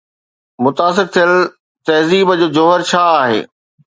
متاثر ٿيل تهذيب جو جوهر ڇا آهي؟